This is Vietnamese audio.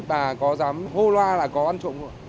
bà có dám hô loa là có ăn trộm không ạ